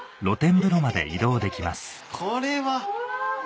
これは！